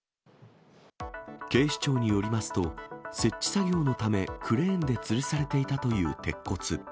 警視庁によりますと、設置作業のため、クレーンでつるされていたという鉄骨。